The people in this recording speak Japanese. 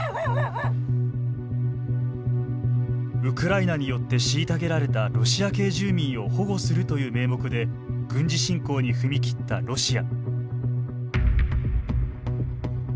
ウクライナによって虐げられたロシア系住民を保護するという名目で軍事侵攻に踏み切ったロシア。